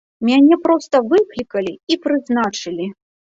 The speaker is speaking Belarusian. Мяне проста выклікалі і прызначылі!